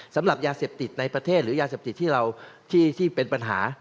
สำหรับยาเสพติดในประเทศหรือยาเสพติดที่เราที่เป็นปัญหา